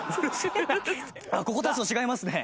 ここ立つと違いますね。